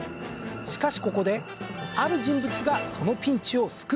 しかしここである人物がそのピンチを救ったんです。